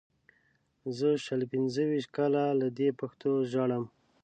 زه شل پنځه ویشت کاله له دې پښتو ژاړم.